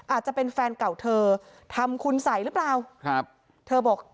อาจจะเป็นแฟนเก่าเธอทำคุณสัยหรือเปล่าครับเธอบอก